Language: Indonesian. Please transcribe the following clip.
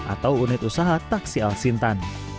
atau unit usaha taksi alsintan